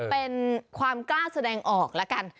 เป็นความกล้าแสดงออกแล้วกัน